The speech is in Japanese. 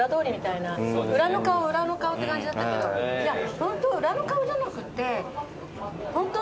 裏の顔裏の顔って感じだったけどホントは裏の顔じゃなくって。